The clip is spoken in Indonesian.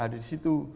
pmm juga ada disitu